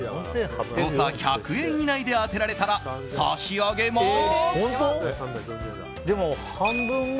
誤差１００円以内で当てられたら差し上げます！